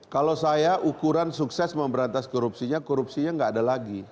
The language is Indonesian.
kalau saya ukuran sukses memberantas korupsinya korupsinya nggak ada lagi